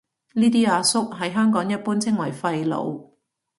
呢啲阿叔喺香港一般稱為廢老